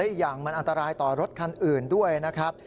อีกอย่างมันอันตรายต่อรถคันอื่นด้วยนะครับ